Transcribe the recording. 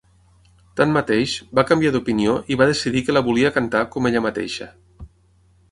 Tanmateix, va canviar d'opinió i va decidir que la volia cantar com ella mateixa.